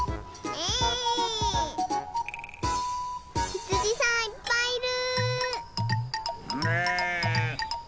ひつじさんいっぱいいる！